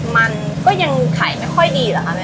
มันก็ยังขายไม่ค่อยดีเหรอคะแม่